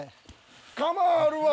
窯あるわ。